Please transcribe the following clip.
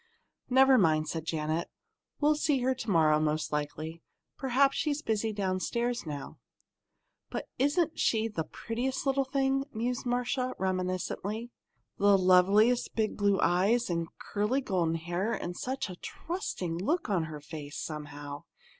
"Never mind," said Janet. "We'll see her to morrow, most likely. Perhaps she's busy downstairs now." "But isn't she the prettiest little thing!" mused Marcia, reminiscently. "The loveliest big blue eyes, and curly golden hair, and such a trusting look in her face, somehow!